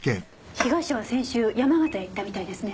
被害者は先週山形へ行ったみたいですね。